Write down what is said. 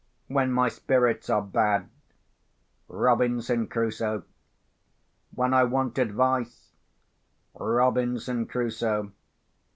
When my spirits are bad—Robinson Crusoe. When I want advice—Robinson Crusoe.